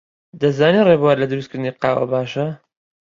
دەتزانی ڕێبوار لە دروستکردنی قاوە باشە؟